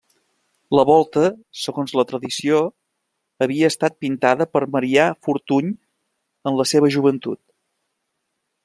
La volta, segons la tradició, havia estat pintada per Marià Fortuny en la seva joventut.